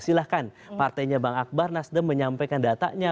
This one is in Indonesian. silahkan partainya bang akbar nasdem menyampaikan datanya